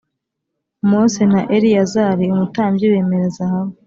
Mose na Eleyazari umutambyi bemera zahabu